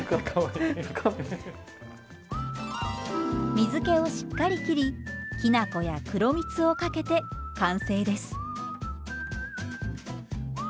水けをしっかりきりきな粉や黒みつをかけて完成です。